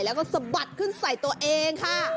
แล้วก็สะบัดขึ้นใส่ตัวเองค่ะ